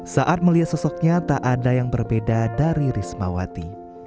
saat melihat sosoknya tak ada yang berbeda dari rismawati